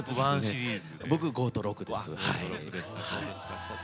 僕は５と６です。